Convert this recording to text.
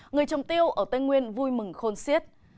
người trồng tiêu ở tây nguyên vui mừng khôn siết